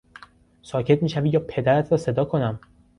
ساکت میشوی یا پدرت را صدا کنم!